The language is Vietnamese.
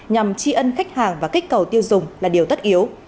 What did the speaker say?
nhằm tri ân khách hàng và kích cầu tiêu dùng là điều tất yếu